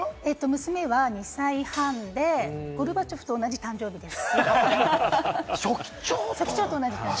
娘は２歳半でゴルバチョフと同じ誕生日です。